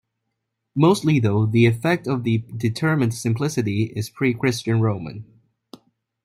Mostly, though, the effect of the determined simplicity is pre-Christian Roman.